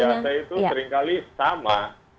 ya dengan flu biasa itu seringkali sama